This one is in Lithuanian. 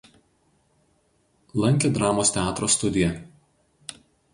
Lankė dramos teatro studiją.